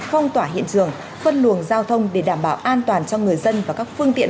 phong tỏa hiện trường phân luồng giao thông để đảm bảo an toàn cho người dân và các phương tiện